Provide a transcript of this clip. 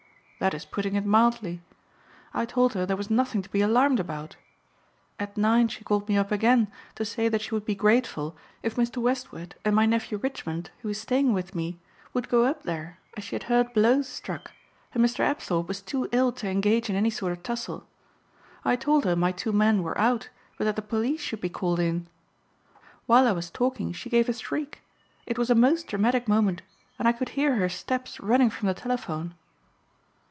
That is putting it mildly. I told her there was nothing to be alarmed about. At nine she called me up again to say that she would be grateful if Mr. Westward and my nephew Richmond, who is staying with me, would go up there as she had heard blows struck and Mr. Apthorpe was too ill to engage in any sort of tussle. I told her my two men were out but that the police should be called in. While I was talking she gave a shriek it was a most dramatic moment and I could hear her steps running from the telephone."